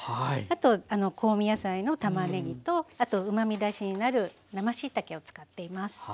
あと香味野菜のたまねぎとあとうまみ出しになる生しいたけを使っています。